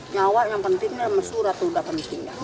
nyawa yang pentingnya surat yang penting